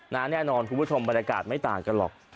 แน่นอนคุณผู้ชมบรรยากาศไม่ต่างกันหรอก